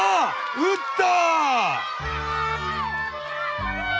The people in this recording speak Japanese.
打った！